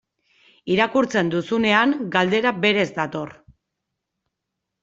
Irakurtzen duzunean, galdera berez dator.